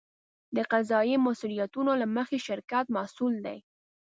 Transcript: د قضایي مسوولیتونو له مخې شرکت مسوول دی.